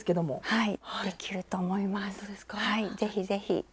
はい。